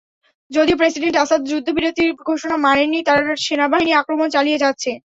যদিও president Assad যুদ্ধবিরতির ঘোষণা মানেননি, তাঁর সেনাবাহিনী আক্রমণ চালিয়ে যাচ্ছে।